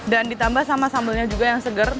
dan ditambah sama sambalnya juga yang segar